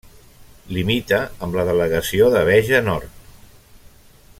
Limita amb la delegació de Béja Nord.